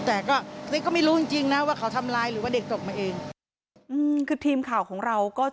แต่ก็ประติกก็ไม่รู้จริงนะว่าเขาทำร้าย